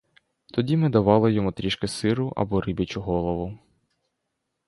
Тоді ми давали йому трішки сиру або риб'ячу голову.